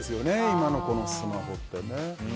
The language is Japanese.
今の子のスマホって。